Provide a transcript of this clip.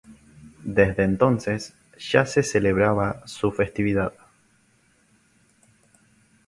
Desde entonces ya se celebraba su festividad.